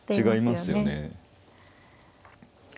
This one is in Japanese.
違いますよね。